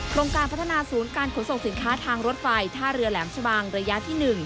การพัฒนาศูนย์การขนส่งสินค้าทางรถไฟท่าเรือแหลมชะบังระยะที่๑